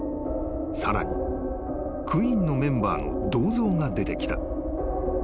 ［さらにＱＵＥＥＮのメンバーの銅像が出てきた］